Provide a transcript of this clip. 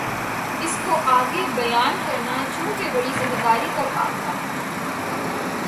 اِس کو آگے بیان کرنا چونکہ بڑی ذمہ داری کا کام تھا